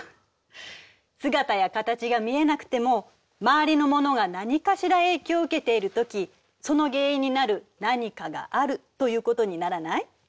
姿や形が見えなくても周りのものがなにかしら影響を受けているときその原因になる何かがあるということにならない？